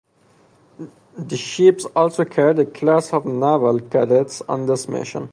The ships also carried a class of naval cadets on this mission.